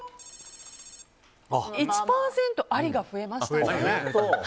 １％、ありが増えました。